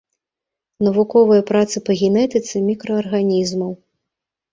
Навуковыя працы па генетыцы мікраарганізмаў.